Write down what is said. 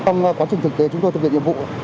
trong quá trình thực tế chúng tôi thực hiện nhiệm vụ